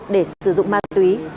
để sử dụng ma túy